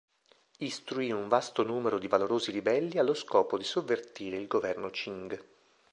Istruì un vasto numero di valorosi ribelli allo scopo di sovvertire il governo Ching.